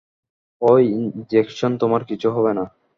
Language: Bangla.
অই ইঞ্জেকশনে তোমার কিচ্ছু হবে না।